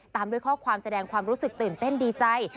ตามด้วยข้อความแสดงความรู้สึกตื่นเต้นดีใจ